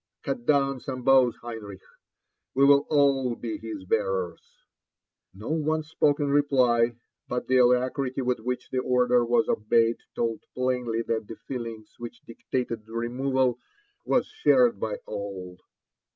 Cut down some boughs, Henrich ; we will all be his bearers." No one spoke in reply ; but the alacrity with which the order was obeyed told plainly that the feeling which' dictated the removal was JONATHAN JEFFERSON WHITLAW. S49 shared by all.